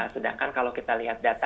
sedangkan kalau kita lihat data